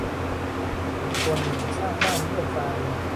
หมูตัวหนึ่งสร้างบ้านด้วยฟาง